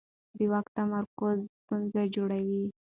د واک تمرکز ستونزې جوړوي